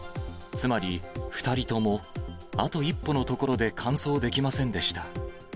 つまり、２人ともあと一歩のところで完走できませんでした。